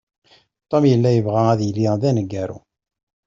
Tom yella yebɣa ad yili d aneggaru.